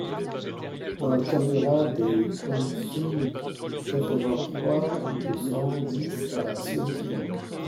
un carriera Dei Quinsoun, quatre-vingt-trois, deux cent dix à Solliès-Pont